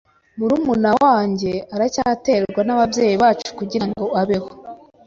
Murumuna wanjye aracyaterwa nababyeyi bacu kugirango abeho.